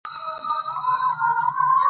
دونیا د امتحاناتو ځای دئ. اصلي ژوند آخرت دئ.